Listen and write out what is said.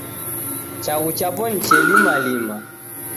Chaghu chapo niche limalima.